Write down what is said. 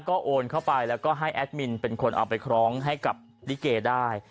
ก็โอนเข้าไปแล้วก็ให้แอดมินเป็นคนเอาไปคล้องให้กับลิเกได้